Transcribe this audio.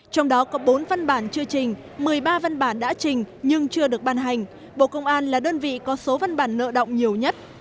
trong đó có bốn văn bản chưa trình một mươi ba văn bản đã trình nhưng chưa được ban hành bộ công an là đơn vị có số văn bản nợ động nhiều nhất